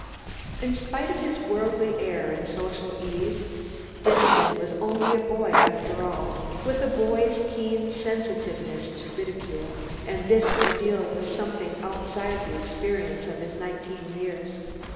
In spite of his worldly air and social ease, Disston was only a boy after all, with a boy's keen sensitiveness to ridicule, and this ordeal was something outside the experience of his nineteen years.